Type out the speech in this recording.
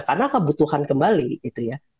karena kebutuhan kembali gitu ya